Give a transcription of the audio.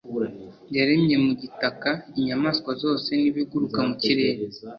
Yaremye mu gitaka inyamaswa zose n ibiguruka mu kirere